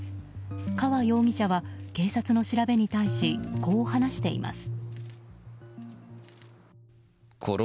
河容疑者は警察の調べに対しこう話しています。